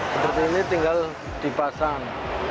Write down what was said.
seperti ini tinggal dipasang